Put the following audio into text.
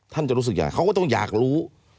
จะรู้สึกยังไงเขาก็ต้องอยากรู้